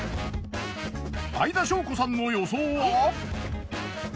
相田翔子さんの予想は？